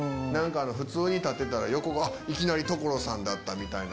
普通に立ってたら横がいきなり所さんだったみたいな。